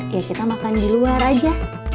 ya kita makan di luar aja